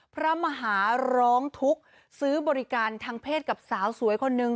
พระมหาร้องทุกข์ซื้อบริการทางเพศกับสาวสวยคนนึง